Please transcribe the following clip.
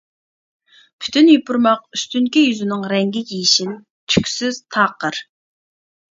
پۈتۈن يوپۇرماق ئۈستۈنكى يۈزىنىڭ رەڭگى يېشىل، تۈكسىز، تاقىر.